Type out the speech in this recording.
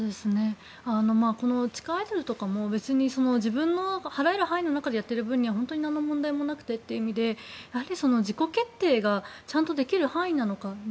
この地下アイドルとかも別に自分の払える範囲の中でやっている分には本当になんの問題もなくて自己決定がちゃんとできる範囲なのか。